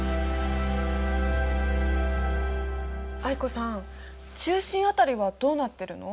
藍子さん中心辺りはどうなってるの？